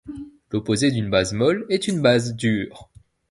L'opposé d'une base molle est une base dure.